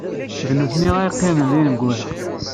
D nitni ay yeqqimen d ineggura.